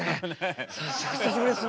久しぶりですね。